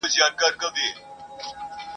چي په محفل کي شمع ووینم بورا ووینم !.